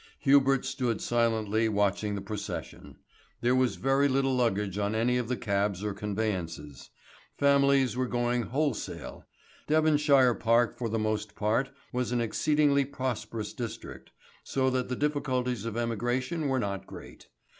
Hubert stood silently watching the procession. There was very little luggage on any of the cabs or conveyances. Families were going wholesale. Devonshire Park for the most part was an exceedingly prosperous district, so that the difficulties of emigration were not great.